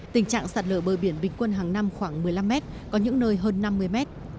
tình trạng sạt lở bờ biển bình quân hàng năm khoảng một mươi năm mét có những nơi hơn năm mươi mét